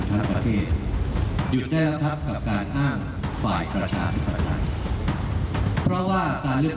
การเลือกต้านแห่งประชาชนภาคตาย